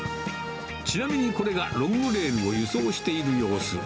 ちなみにこれが、ロングレールを輸送している様子。